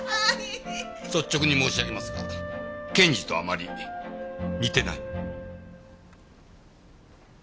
率直に申し上げますが検事とあまり似てない。